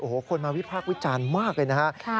โอ้โฮคนมาวิภาควิจารณ์มากเลยนะครับ